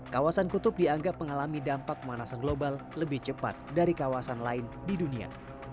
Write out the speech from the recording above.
kawasan kutub dianggap mengalami dampak pemanasan global lebih cepat dari kawasan lain di dunia